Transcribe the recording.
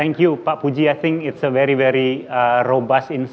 pengetahuan yang sangat robust